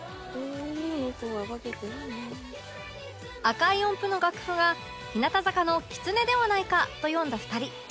赤い音符の楽譜が日向坂の『キツネ』ではないかと読んだ２人